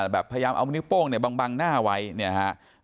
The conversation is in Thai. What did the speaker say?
แบบพยายามเอานิ้วโป้งเนี่ยบังหน้าไว้เนี่ยฮะ